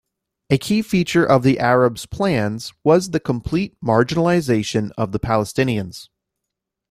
A key feature of the Arabs' plans was the complete marginalization of the Palestinians...